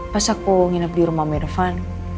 pas aku nginep di rumah om irfan